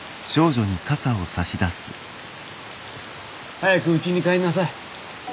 早くうちに帰んなさい。